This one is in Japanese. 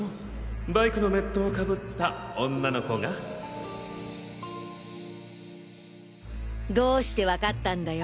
バイクのメットを被った女の子がどうしてわかったんだよ。